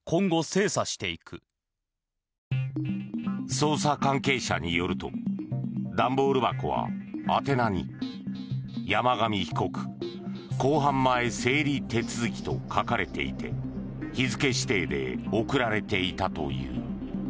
捜査関係者によると段ボール箱は宛名に「山上被告公判前整理手続き」と書かれていて日付指定で送られていたという。